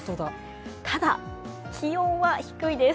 ただ、気温は低いです。